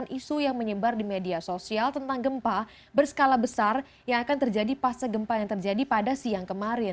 dan juga menyebarkan isu yang menyebar di media sosial tentang gempa berskala besar yang akan terjadi pasca gempa yang terjadi pada siang kemarin